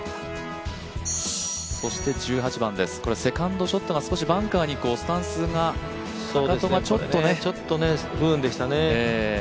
そして、１８番、セカンドショットが少しバンカーにちょっと不運でしたね。